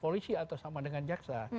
polisi atau sama dengan jaksa